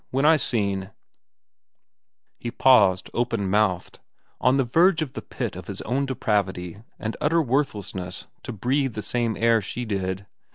When I seen—" He paused, open mouthed, on the verge of the pit of his own depravity and utter worthlessness to breathe the same air she did.